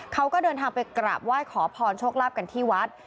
เขาก็เดินทางไปกลับว่ายขอพรชกลาบกันที่วัด